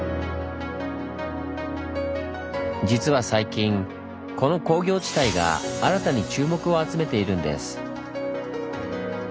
実は最近この工業地帯が新たに注目を集めているんです。